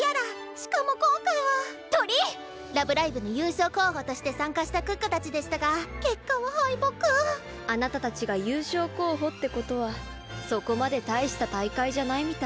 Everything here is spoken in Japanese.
しかも今回はトリ⁉「ラブライブ！」の優勝候補として参加した可可たちでしたが結果は敗北あなたたちが優勝候補ってことはそこまで大した大会じゃないみたいね。